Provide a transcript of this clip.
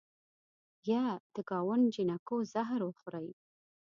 یه د ګاونډ جینکو زهر وخورئ